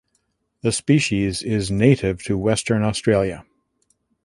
The species is native to Western Australia.